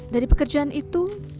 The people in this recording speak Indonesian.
dari pekerjaan itu